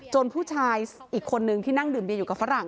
ผู้ชายอีกคนนึงที่นั่งดื่มเบียอยู่กับฝรั่ง